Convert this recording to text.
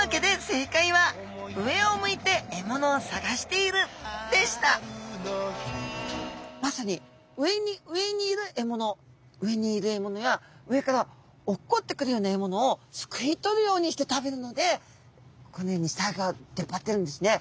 というわけでまさに上に上にいる獲物上にいる獲物や上から落っこってくるような獲物をすくい取るようにして食べるのでこのように下あギョが出っ張ってるんですね。